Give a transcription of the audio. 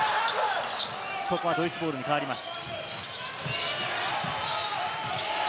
ここはドイツボールに変わります。